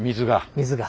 水が。